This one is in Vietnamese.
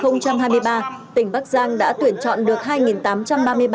năm hai nghìn hai mươi ba tỉnh bắc giang đã tuyển chọn được hai tám trăm ba mươi ba công dân nhập ngũ